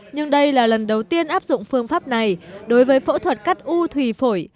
nhưng đây là lần đầu tiên áp dụng phương pháp này đối với phẫu thuật cắt u thủy phổi